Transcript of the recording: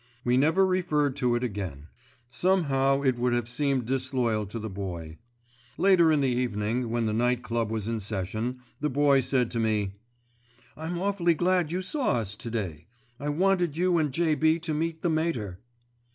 We never referred to it again. Somehow it would have seemed disloyal to the Boy. Later in the evening, when the Night Club was in session, the Boy said to me, "I'm awfully glad you saw us to day. I wanted you and J.B. to meet the Mater."